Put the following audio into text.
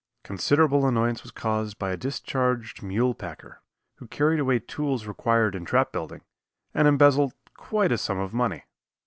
Considerable annoyance was caused by a discharged mule packer, who carried away tools required in trap building, and embezzled quite a sum of money.